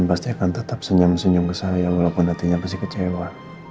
pasti akan tetap senyum senyum ke saya walaupun hatinya pasti kecewa